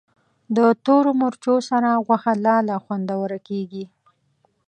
د تورو مرچو سره غوښه لا خوندوره کېږي.